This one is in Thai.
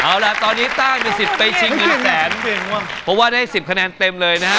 เอาล่ะตอนนี้ต้าจะสิบไปชิงหนึ่งแสนเพราะว่าได้สิบคะแนนเต็มเลยนะฮะ